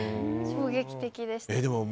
衝撃的でしたね。